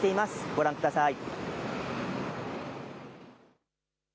ご覧ください。